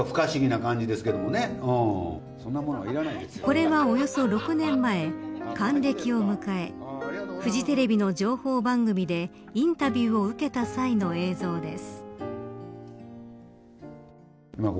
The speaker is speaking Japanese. これは、およそ６年前還暦を迎えフジテレビの情報番組でインタビューを受けた際の映像です。